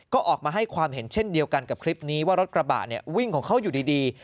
ก็ออกมาให้ความเห็นเช่นเดียวกันกับคลิปนี้ว่ารถกระบะเนี่ยวิ่งของเขาอยู่ดี